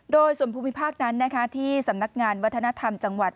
โดยส่วนภูมิภาคนั้นที่สำนักงานวัฒนธรรมจังหวัด